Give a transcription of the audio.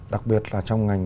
đặc biệt là trong ngành